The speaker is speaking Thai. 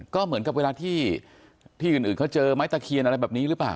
ก็เหมือนกับเวลาที่อื่นเขาเจอไม้ตะเคียนอะไรแบบนี้หรือเปล่า